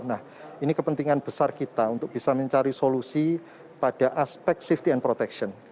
nah ini kepentingan besar kita untuk bisa mencari solusi pada aspek safety and protection